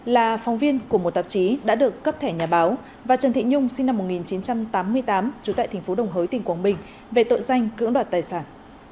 là phóng viên của một tạp chí đã được cấp thẻ nhà báo và trần thị nhung sinh năm một nghìn chín trăm tám mươi tám trú tại tp đồng hới tỉnh quảng bình về tội danh cưỡng đoạt tài sản